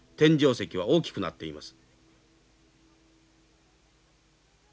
石は大きくなっています。